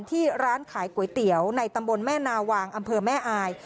ที่ร้านขายก๋วยเตี๋ยวในตำบลแม่นาวางอำเภอแม่อาย